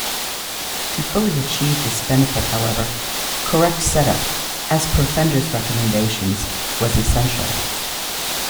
To fully achieve this benefit however, correct setup, as per Fender's recommendations, was essential.